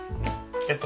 えっと